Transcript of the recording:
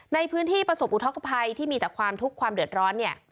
ในพื้นที่ประสบอุทธกภัยที่มีแต่ความทุกข์ความเดือดร้อนเนี่ย